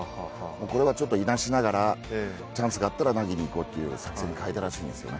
これは、いなしながらチャンスがあったら投げにいこうという作戦に変えたらしいんですね。